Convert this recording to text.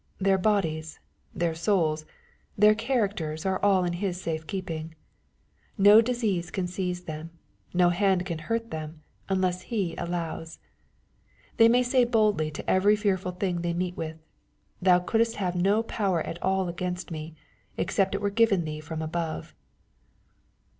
Their bodies, their souls, their characters are all in His safe keeping. No disease can seize them ^no hand can hurt them, unless He allows. They may say boldly to every fearful thing they meet with, ^^Thou couldest have no power at all against me, except it were given thee from above.''